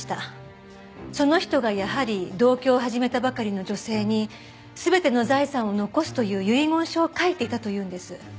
その人がやはり同居を始めたばかりの女性に全ての財産を残すという遺言書を書いていたというんです。